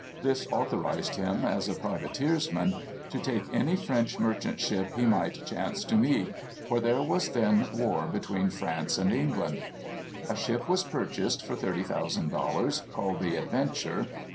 This authorized him, as a privateersman, to take any French merchant ships he might chance to meet; for there was then war between France and England. A ship was purchased, for thirty thousand dollars, called the Adventure.